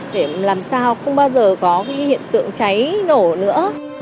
để làm sao không bao giờ có hiện tượng cháy nổ nữa